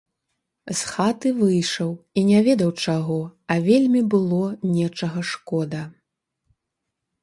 З хаты выйшаў, і не ведаў чаго, а вельмі было нечага шкода.